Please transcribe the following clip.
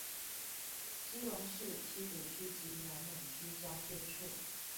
基隆市七堵區及暖暖區交界處